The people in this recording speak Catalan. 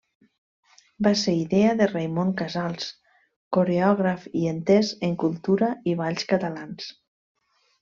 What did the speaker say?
Va ser idea de Raimon Casals, coreògraf i entès en cultura i balls catalans.